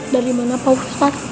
dari mana pak ustadz